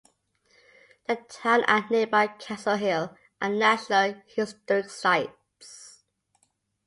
The town and nearby Castle Hill are national historic sites.